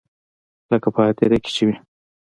لکه په هديره کښې چې وي.